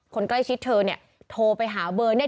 คนใกล้ชิดเธอเนี่ยโทรไปหาเบอร์เนี่ย